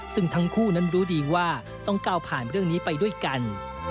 ซึ่งทั้งคู่นั้นรู้ดีว่าต้องก้าวผ่านเรื่องนี้ไปด้วยกัน